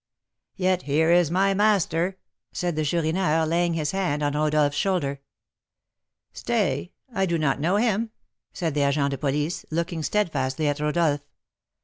"Yet here is my master," said the Chourineur, laying his hand on Rodolph's shoulder. "Stay, I do not know him," said the agent de police, looking steadfastly at Rodolph.